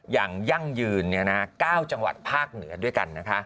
อย่างยั่งยืน๙จังหวัดภาคเหนือด้วยกัน